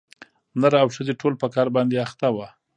نر او ښځي ټول په کار باندي اخته وه